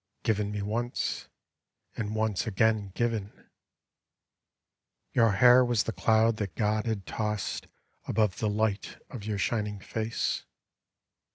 Given me once — and once again given 1 Your hair was the cloud that God had tossed Above the light of your shining face.